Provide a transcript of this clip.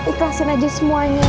ikhlasin aja semuanya